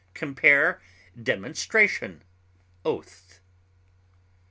Compare DEMONSTRATION; OATH.